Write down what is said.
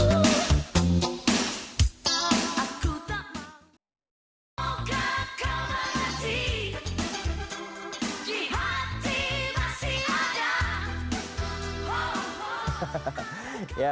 moga kau mengerti di hati masih ada